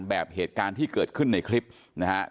เหตุการณ์ที่เกิดขึ้นในคลิปนะฮะ